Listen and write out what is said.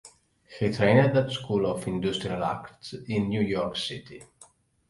He trained at the School of Industrial Arts in New York City.